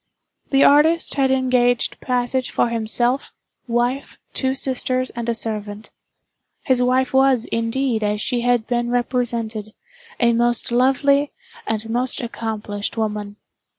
The artist had engaged passage for himself, wife, two sisters and a servant. His wife was, indeed, as she had been represented, a most lovely, and most accomplished woman.